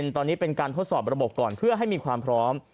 ตอนนี้เป็นการทดสอบระบบก่อนเพื่อให้มีความพร้อม